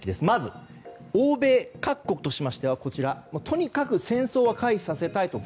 まず、欧米各国としましてはとにかく戦争を回避させたい。